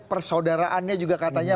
persaudaraannya juga katanya